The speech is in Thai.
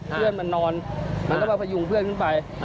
เพื่อนมันนอนมันก็มาพยุงเพื่อนขึ้นไป